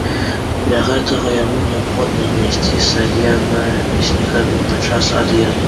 Для гэтага яму неабходна знайсці сабе намесніка на час ад'езду.